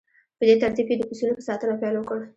په دې ترتیب یې د پسونو په ساتنه پیل وکړ